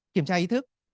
kiểm tra ý thức